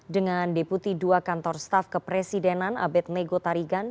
dengan deputi dua kantor staf kepresidenan abed nego tarigan